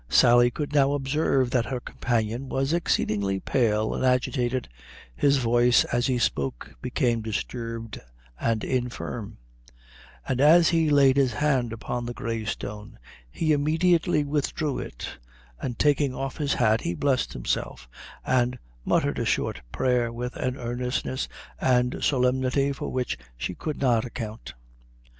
Sally could now observe that her companion was exceedingly pale and agitated, his voice, as he spoke, became disturbed and infirm; and as he laid his hand upon the Grey Stone he immediately withdrew it, and taking off his hat he blessed himself, and muttered a short prayer with an earnestness and solemnity for which she could not account.